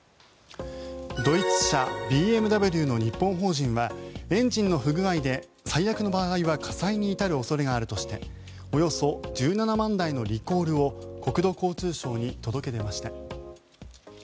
ドイツ車ＢＭＷの日本法人はエンジンの不具合で最悪の場合は火災に至る恐れがあるとしておよそ１７万台のリコールを国土交通省に届け出ました。